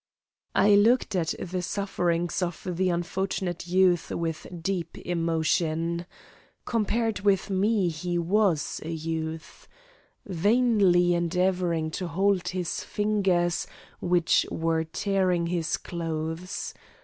I looked at the sufferings of the unfortunate youth with deep emotion (compared with me he was a youth), vainly endeavouring to hold his fingers which were tearing his clothes.